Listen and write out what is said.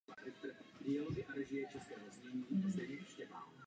Byl opět raněn a za zásluhy vyznamenán Řádem Bílého orla.